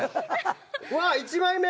わ１枚目。